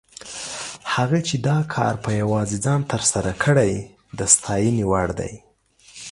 هغه چې دا کار په یوازې ځان تر سره کړی، د ستاینې وړ دی.